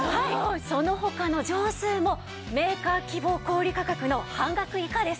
その他の畳数もメーカー希望小売価格の半額以下です。